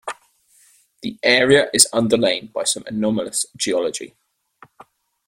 The area is underlain by some anomalous geology.